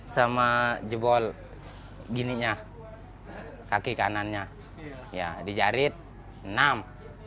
sama jebol gininya kaki kanannya di jarit enam